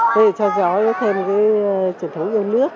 thế cho cháu thêm truyền thống yêu nước